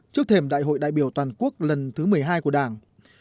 trước thềm đại hội đại biểu toàn quốc lần thứ một mươi hai của đảng